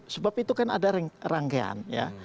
sebab itu kan ada rangkaian ya